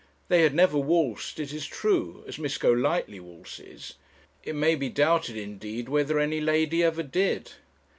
They had never waltzed, it is true, as Miss Golightly waltzes. It may be doubted, indeed, whether any lady ever did.